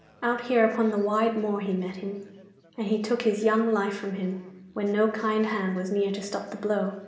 Out here upon the wide moor he met him, and he took his young life from him when no kind hand was near to stop the blow.